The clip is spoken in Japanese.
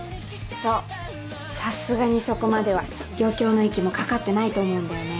そうさすがにそこまでは漁協の息もかかってないと思うんだよね。